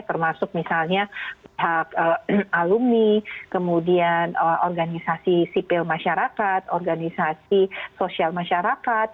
termasuk misalnya pihak alumni kemudian organisasi sipil masyarakat organisasi sosial masyarakat